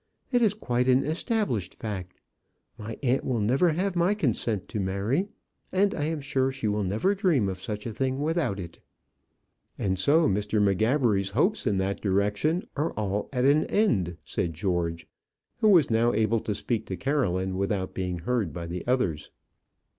"It is quite an established fact. My aunt will never have my consent to marry; and I am sure she will never dream of such a thing without it." "And so Mr. M'Gabbery's hopes in that direction are all at an end," said George, who was now able to speak to Caroline without being heard by the others.